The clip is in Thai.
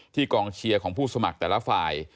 กองเชียร์ของผู้สมัครแต่ละฝ่าย